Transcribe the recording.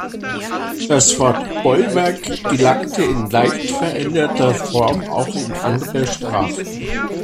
Das Wort Bollwerk gelangte in leicht veränderter Form auch in andere Sprachen.